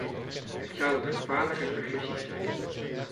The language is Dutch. Het zou een gevaarlijke vergissing zijn.